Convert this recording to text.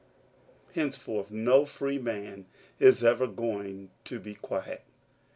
Henceforth no freeman is ever going to be quiet .